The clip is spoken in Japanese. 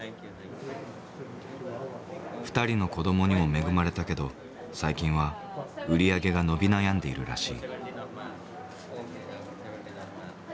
２人の子どもにも恵まれたけど最近は売り上げが伸び悩んでいるらしい。